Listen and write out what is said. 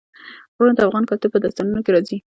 غرونه د افغان کلتور په داستانونو کې راځي.